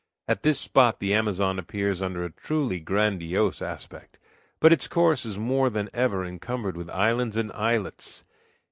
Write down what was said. At this spot the Amazon appears under a truly grandiose aspect, but its course is more than ever encumbered with islands and islets.